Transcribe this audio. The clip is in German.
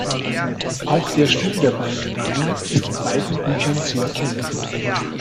Auch der Stil der beiden Damen ist in beiden Büchern zu erkennen.